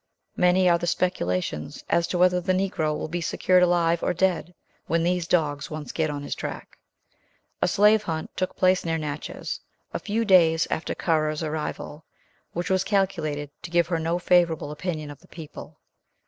Many are the speculations, as to whether the Negro will be secured alive or dead, when these dogs once get on his track. A slave hunt took place near Natchez, a few days after Currer's arrival, which was calculated to give her no favourable opinion of the people.